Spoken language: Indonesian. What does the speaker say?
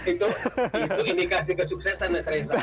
itu indikasi kesuksesan nesra issa